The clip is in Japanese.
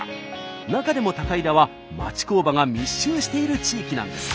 中でも高井田は町工場が密集している地域なんです。